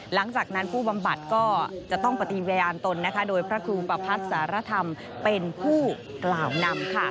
หลังจากนั้นผู้บำบัดก็จะต้องปฏิญาณตนโดยพระครูประพัฒน์สารธรรมเป็นผู้กล่าวนำ